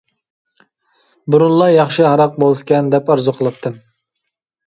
بۇرۇنلا ياخشى ھاراق بولسىكەن دەپ ئارزۇ قىلاتتىم.